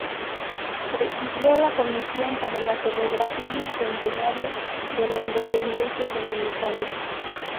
Presidió la Comisión para la celebración del Centenario de la Independencia dominicana.